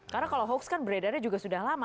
karena kalau hoax kan beredarnya juga sudah lama